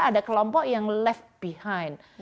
ada kelompok yang left behind